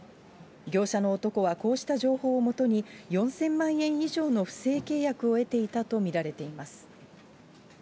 業者の男はこうした情報をもとに、４０００万円以上の不正契約を得ていたと見られています。